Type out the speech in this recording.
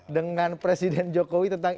dengan presiden jokowi tentang